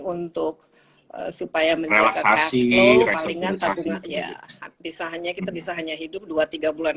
untuk supaya menjaga cash flow palingan tabungan ya bisa hanya kita bisa hanya hidup dua tiga bulan